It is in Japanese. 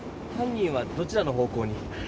犯人はどちらの方向に？